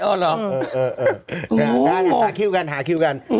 ได้หาคิวกันหาคิวกัน